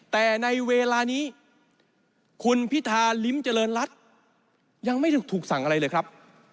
แต่ในเวลานี้คุณพิธาลิ้มเจริญรัฐยังไม่ถูกสั่งอะไรเลยครับ